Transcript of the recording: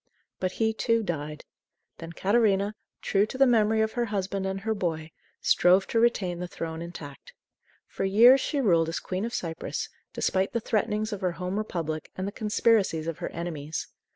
But he, too, died. Then Catarina, true to the memory of her husband and her boy, strove to retain the throne intact. For years she ruled as Queen of Cyprus, despite the threatenings of her home Republic and the conspiracies of her enemies.